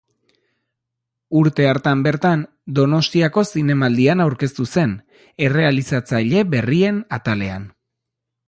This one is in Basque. Urte hartan bertan, Donostiako Zinemaldian aurkeztu zen, Errealizatzaile Berrien atalean.